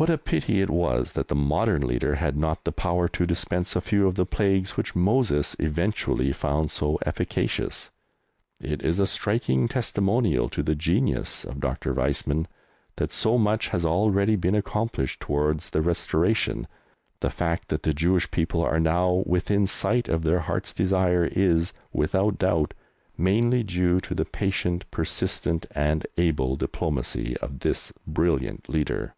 What a pity it was that the modern leader had not the power to dispense a few of the plagues which Moses eventually found so efficacious. It is a striking testimonial to the genius of Dr. Weizmann that so much has already been accomplished towards the Restoration; the fact that the Jewish people are now within sight of their hearts' desire is, without doubt, mainly due to the patient, persistent, and able diplomacy of this brilliant leader.